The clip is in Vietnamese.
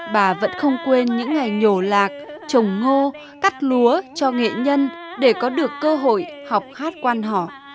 bà vẫn không quên những ngày nhổ lạc trồng ngô cắt lúa cho nghệ nhân để có được cơ hội học hát quan họ